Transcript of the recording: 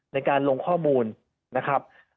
ในการลงข้อมูลนะครับ